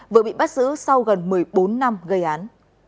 vừa bị bắt giữ sau gần một mươi bốn năm gây án